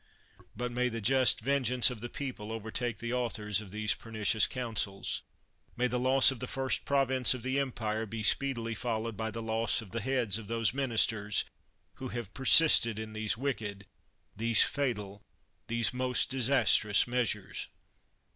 But may the just vengeance of the people overtake the authors of these pernicious counsels! May the loss of the first province of the empire be speedily followed by the loss of the heads of those minis ters who have persisted in these wicked, these fatal, these most disastrous measures!